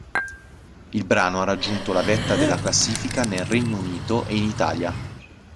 Il brano ha raggiunto la vetta della classifica nel Regno Unito e in Italia.